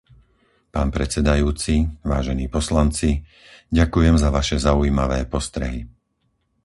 Pán predsedajúci, vážení poslanci, ďakujem za vaše zaujímavé postrehy.